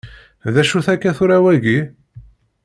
D acu-t akka tura wagi?